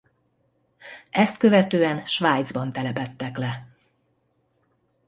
Ezt követően Svájcban telepedtek le.